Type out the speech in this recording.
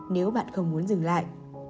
nếu bạn không muốn dừng lại